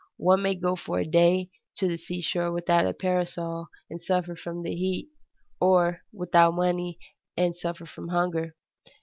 One may go for a day to the seashore without a parasol and suffer from heat, or without money and suffer from hunger.